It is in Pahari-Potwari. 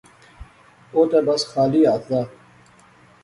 او تہ بس خالی ہتھ دا